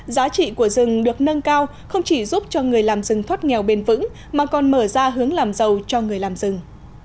giá trị của rừng được nâng cao không chỉ giúp cho người làm rừng thoát nghèo bền vững mà còn mở ra hướng làm giàu cho người làm rừng